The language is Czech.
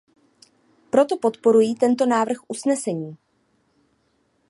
Proto podporuji tento návrh usnesení.